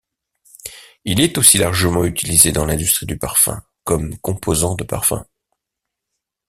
Il est aussi largement utilisé dans l'industrie du parfum comme composant de parfums.